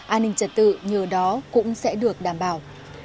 an ninh trật tự nhờ đó cũng sẽ được đảm bảo